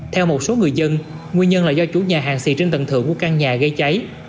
theo một số người dân nguyên nhân là do chủ nhà hàng xì trên tầng thượng của căn nhà gây cháy